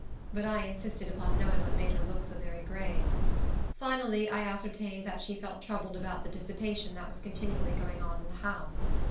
But I insisted upon knowing what made her look so very grave. Finally, I ascertained that she felt troubled about the dissipation that was continually going on in the house.